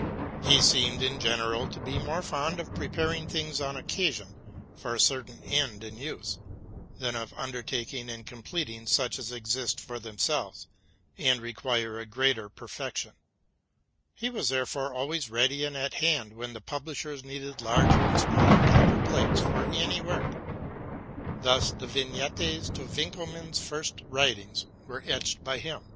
He seemed in general to be more fond of preparing things on occasion, for a cer tain end and use, than of undertaking and completing such as exist for themselves and require a greater perfection ; he was therefore always ready and at hand when the publishers needed larger and smaller copper plates for any work: thus the vignettes to Winckelmann's first writings were etched by him.